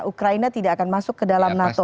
ukraina tidak akan masuk ke dalam nato